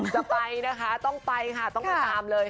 จะไปนะคะต้องไปค่ะต้องไปตามเลย